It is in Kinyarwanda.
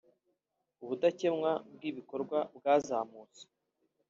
ubudakemwa bw’ibikorwa bwazamutse